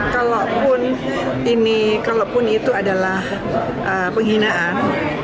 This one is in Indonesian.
kalaupun ini kalaupun itu adalah penghinaan